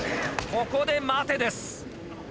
ここで待てです。